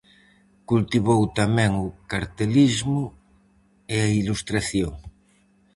Cultivou tamén o cartelismo e a ilustración.